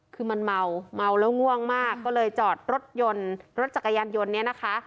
คือมันเมาเมาแล้วง่วงมากก็เลยจอดรถยนต์รถจักรยานยนต์เนี่ยนะคะ